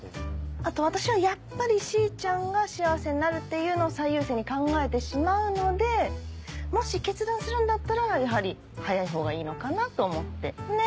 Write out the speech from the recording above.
あと私はやっぱりしーちゃんが幸せになるっていうのを最優先に考えてしまうのでもし決断するんだったらやはり早いほうがいいのかなと思ってねっ？